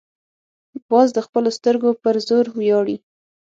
باز د خپلو سترګو پر زور ویاړي